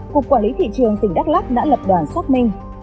cục quản lý thị trường tỉnh đắk lắc đã lập đoàn xác minh